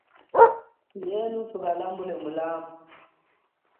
Thuyenu thukalambule mulambu.